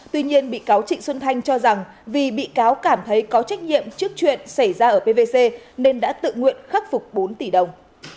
tuy nhiên bị cáo trịnh xuân thanh cho rằng vì bị cáo cảm thấy có trách nhiệm trước chuyện xảy ra ở pvc nên đã tự nguyện khắc phục bốn tỷ đồng